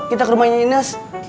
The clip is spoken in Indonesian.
kita ke rumahnya ines